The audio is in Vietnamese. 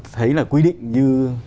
thấy là quy định như